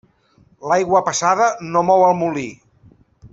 L'aigua passada no mou el molí.